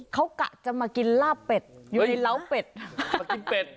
เขากะจะมากินลาบเป็ดอยู่ในเล้าเป็ดค่ะมากินเป็ด